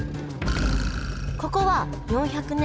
ここは４００年